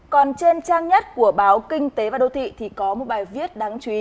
còn trên trang nhất của báo kinh tế và đô thị thì có một bài viết đáng chú ý